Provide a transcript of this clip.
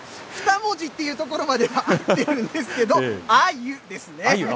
２文字というところまでは合ってるんですけど、アユですね。